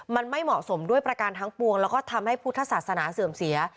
มันไม่เหมาะสมด้วยประการทั้งปวงแล้วก็ทำให้พุทธศาสนาเสื่อมเสีย